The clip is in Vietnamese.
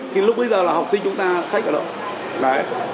thì lúc bây giờ là học sinh chúng ta sách ở đâu